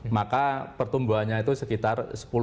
maka pertumbuhannya itu sekitar sepuluh